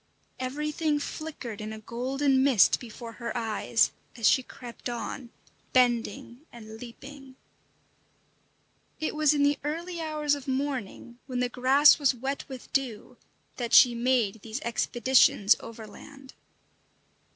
Everything flickered in a golden mist before her eyes, as she crept on, bending and leaping. It was in the early hours of morning, when the grass was wet with dew, that she made these expeditions overland.